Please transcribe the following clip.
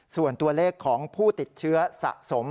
ส่วนตัวเลขของผู้ติดเชื้อสะสม